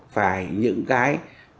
phải những cái